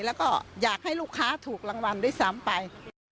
แล้วก็อยากให้ลูกค้าถูกรางวัลด้วยซ้ำไป